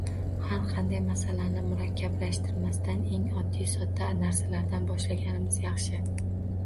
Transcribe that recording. Har qanday masalani murakkablashtirmasdan, eng oddiy, sodda narsalardan boshlaganimiz yaxshi.